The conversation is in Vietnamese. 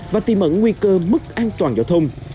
và tìm ẩn nguy cơ mất an toàn giao thông